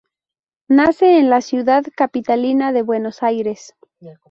Nace en la ciudad capitalina de Buenos Aires.